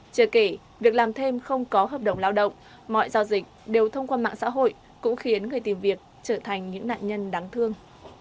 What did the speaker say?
chưa kể việc làm thêm không có hợp đồng lao động mọi giao dịch đều thông qua mạng xã hội cũng khiến người tìm việc trở thành những nạn nhân đáng thương